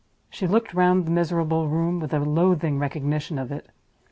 She looked round the miserable room with a loathing recognition of it.